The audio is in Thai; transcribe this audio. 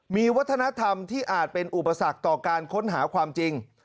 มีวัฒนธรรมที่อาจเป็นอุปสรรคต่อการค้นหาความจริง